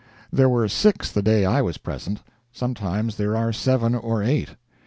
There were six the day I was present; sometimes there are seven or eight.